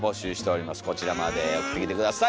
こちらまで送ってきて下さい。